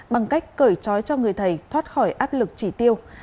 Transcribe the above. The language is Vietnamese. bằng cách cởi trói cho người thầy thoát khỏi áp lực chỉ tiêu